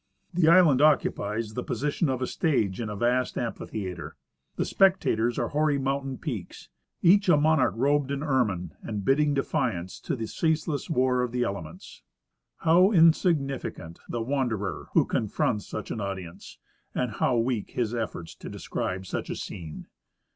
The island occupies the position of the stage in a vast amphitheatre ; the spectators are hoary mountain peaks, each a monarch robed in ermine and bidding defiance to the ceaseless Avar of the elements. How insignificant the wanderer who con fronts such an audience, and how weak his efforts to describe such a scene